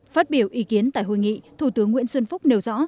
phát biểu ý kiến tại hội nghị thủ tướng nguyễn xuân phúc nêu rõ